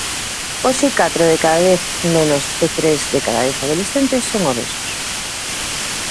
Hoxe catro de cada dez nenos e tres de cada dez adolescentes son obesos.